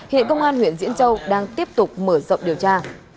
hiện công an huyện diễn châu đang tiếp tục mở rộng điều tra